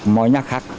mời nhà khác